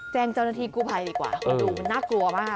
แจ้งเจ้าหน้าทีกูไปดีกว่าดูน่ากลัวมาก